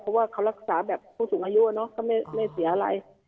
เพราะว่าเขารักษาแบบผู้สูงอายุเนอะก็ไม่เสียอะไร